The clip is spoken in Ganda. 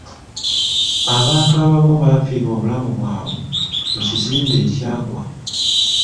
Abantu abamu baafiirwa obulamu bwabwe mu kizimbe ekyagwa.